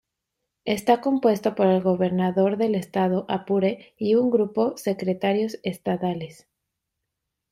Está compuesto por el Gobernador del Estado Apure y un grupo Secretarios Estadales.